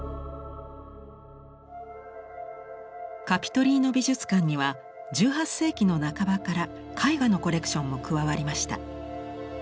カピトリーノ美術館には１８世紀の半ばから絵画のコレクションも加わりました。